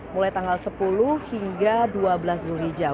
mulai tanggal sepuluh hingga dua belas zulhijjah